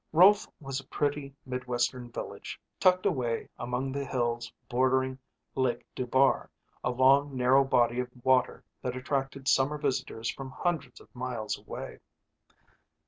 Rolfe was a pretty midwestern village tucked away among the hills bordering Lake Dubar, a long, narrow body of water that attracted summer visitors from hundreds of miles away.